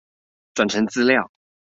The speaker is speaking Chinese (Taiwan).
轉成資料